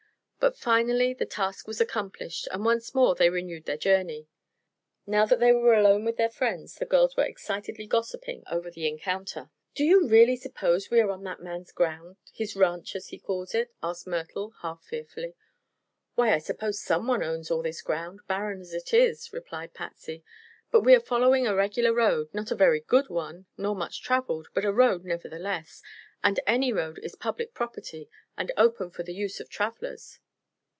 But finally the task was accomplished and once more they renewed their journey. Now that they were alone with their friends the girls were excitedly gossiping over the encounter. "Do you really suppose we are on that man's ground his ranch, as he calls it?" asked Myrtle, half fearfully. "Why, I suppose someone owns all this ground, barren as it is," replied Patsy. "But we are following a regular road not a very good one, nor much traveled; but a road, nevertheless and any road is public property and open for the use of travelers."